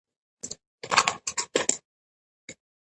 لمریز ځواک د افغانستان د طبعي سیسټم توازن په پوره او ښه توګه ساتي.